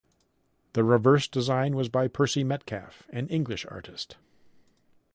The reverse design was by Percy Metcalfe, an English artist.